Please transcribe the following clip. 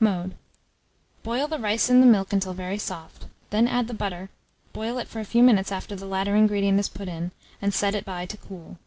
Mode. Boil the rice in the milk until very soft; then add the butter boil it for a few minutes after the latter ingredient is put in, and set it by to cool.